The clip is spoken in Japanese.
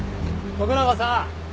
徳永さん。